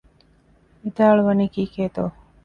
ވިދާޅުވަނީ ކީކޭތޯ؟